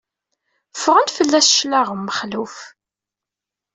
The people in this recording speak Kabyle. Ffɣen fell-as cclaɣem Mexluf.